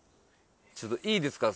ちょっといいですか？